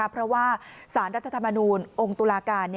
เพราะว่าสารรัฐธรรมนูญองค์ตุลาการ